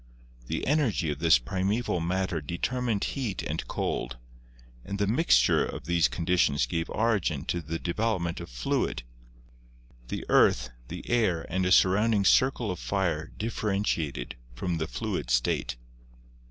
The energy of this primeval matter determined heat and cold, and the mixture of these conditions gave origin to the development of fluid ; the earth, the air and a surround ing circle of fire differentiated from the fluid state.